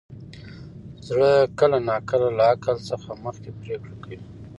زړه کله ناکله له عقل نه مخکې پرېکړه کوي.